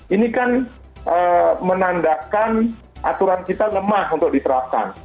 ini kan menandakan aturan kita lemah untuk diterapkan